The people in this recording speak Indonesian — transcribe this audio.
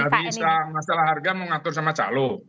nggak bisa masalah harga mengatur sama calon